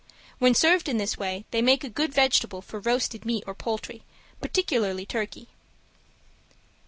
When served in this way they make a good vegetable for roasted meat or poultry, particularly turkey.